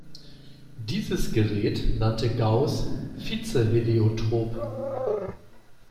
Dieses Gerät nannte Gauß "Vize-Heliotrop".